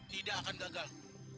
tidak akan gagal